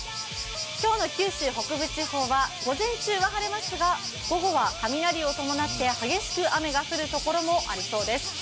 今日の九州北部地方は午前中は晴れますが午後は雷を伴って、激しく雨が降るところもありそうです。